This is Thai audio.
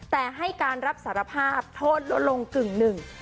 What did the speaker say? แต่ให้การรับสารภาพโทษลดลงกึ่งหนึ่ง